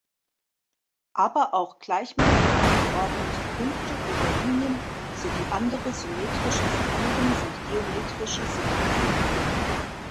Aber auch gleichmäßig angeordnete Punkte oder Linien, sowie andere symmetrische Figuren sind geometrische Signaturen.